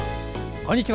こんにちは。